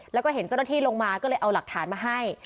แล้วก็เห็นเจ้าหน้าที่ลงมาก็เลยเอาหลักฐานมาให้